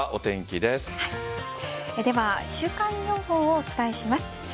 では、週間予報をお伝えします。